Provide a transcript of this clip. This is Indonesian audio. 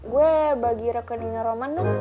gue bagi rekeningnya roman dong